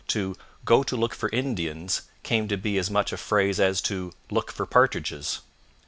To "go to look for Indians" came to be as much a phrase as to "look for partridges."